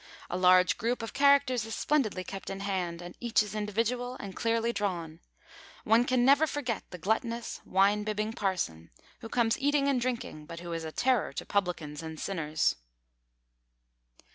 A large group of characters is splendidly kept in hand, and each is individual and clearly drawn. One can never forget the gluttonous, wine bibbing Parson, who comes eating and drinking, but who is a terror to publicans and sinners.